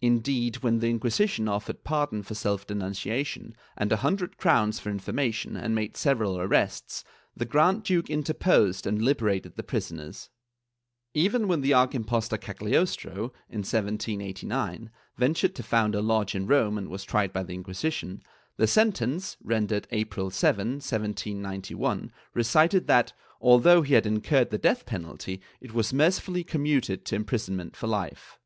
Indeed, when the Inquisition offered pardon for self denunciation, and a hundred crowns for infor mation, and made several arrests, the Grand duke interposed and liberated the prisoners/ Even when the arch impostor Cagliostro, in 1789, ventured to found a lodge in Rome and was tried by the Inquisition, the sentence, rendered April 7, 1791, recited that, although he had incurred the death penalty, it was mercifully commuted to imprisonment for life.